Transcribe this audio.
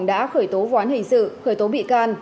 đã khởi tố või hình sự khởi tố bị can